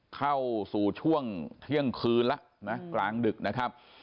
เข้าสู่ช่วงเที่ยงคืนแล้วนะกลางดึกนะครับ